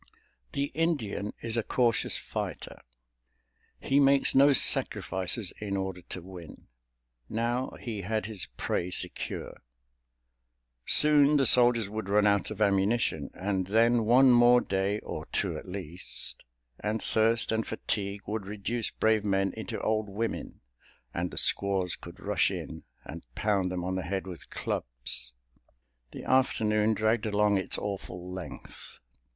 The Indian is a cautious fighter—he makes no sacrifices in order to win. Now he had his prey secure. Soon the soldiers would run out of ammunition, and then one more day, or two at least, and thirst and fatigue would reduce brave men into old women, and the squaws could rush in and pound them on the head with clubs. The afternoon dragged along its awful length.